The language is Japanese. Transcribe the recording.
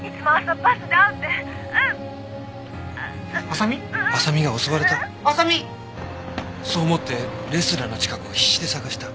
麻未が襲われたそう思ってレストランの近くを必死で捜した。